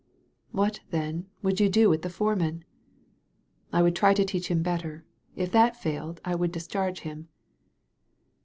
"What, then, would you do with the foreman?" "I would try to teach him better. If that failed* I would discharge him."